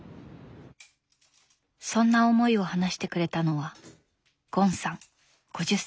そんな思いを話してくれたのはゴンさん５０歳。